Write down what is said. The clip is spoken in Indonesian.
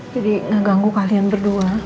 jadi gak ganggu kalian berdua